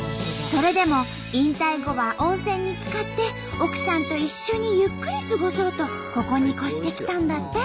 それでも引退後は温泉につかって奥さんと一緒にゆっくり過ごそうとここに越してきたんだって。